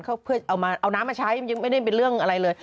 เขาเอาน้ำมาใช้ยังไม่ได้เป็นเรื่องอะไรเลย